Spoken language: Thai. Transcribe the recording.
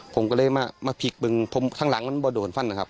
ผมก็เลยมาพลิกบึงผมข้างหลังมันบ่โดนฟันนะครับ